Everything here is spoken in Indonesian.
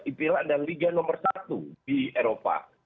ipl adalah liga nomor satu di eropa